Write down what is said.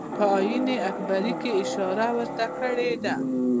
په آیین اکبري کې اشاره ورته کړې ده.